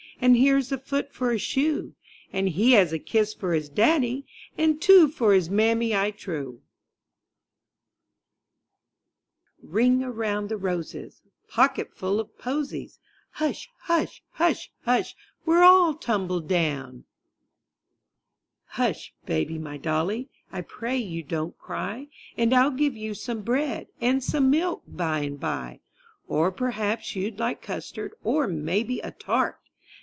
And here's a foot for a shoe. And he has a kiss for his daddy. And two for his mammy, I trow. IN THE NURSERY "D ING around the roses, Pocket full of posies; Hush! Hush! Hush! Hush! We're all tumbled down pjUSH, baby, my dolly, I pray you don't cry, And I'll give you some bread, and some milk by and by, Or perhaps you like custard, or, maybe, a tart.